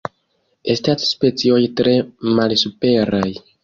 Estas specioj tre malsuperaj.